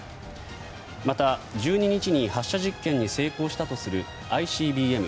また１２日に発射実験に成功したとするＩＣＢＭ